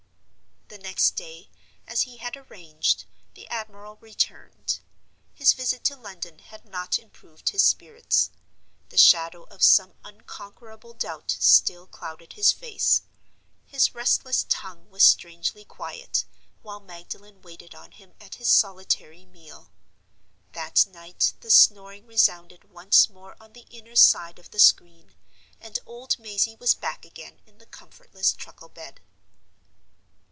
The next day, as he had arranged, the admiral returned. His visit to London had not improved his spirits. The shadow of some unconquerable doubt still clouded his face; his restless tongue was strangely quiet, while Magdalen waited on him at his solitary meal. That night the snoring resounded once more on the inner side of the screen, and old Mazey was back again in the comfortless truckle bed.